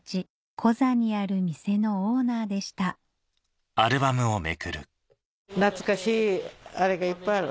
コザにある店のオーナーでした懐かしいあれがいっぱいある。